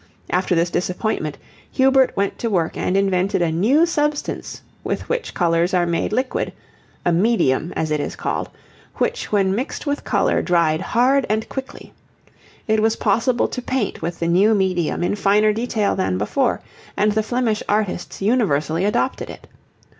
After this disappointment Hubert went to work and invented a new substance with which colours are made liquid, a 'medium' as it is called, which when mixed with colour dried hard and quickly. It was possible to paint with the new medium in finer detail than before, and the Flemish artists universally adopted it.